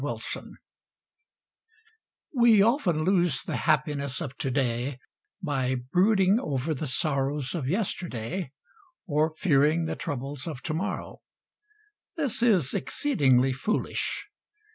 TO DAY We often lose the happiness of to day by brooding over the sorrows of yesterday or fearing the troubles of to morrow. This is exceedingly foolish.